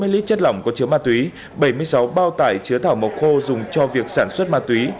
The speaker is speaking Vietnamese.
hai mươi lít chất lỏng có chứa ma túy bảy mươi sáu bao tải chứa thảo mộc khô dùng cho việc sản xuất ma túy